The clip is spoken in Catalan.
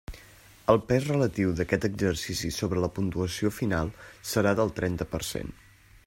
El pes relatiu d'aquest exercici sobre la puntuació final serà del trenta per cent.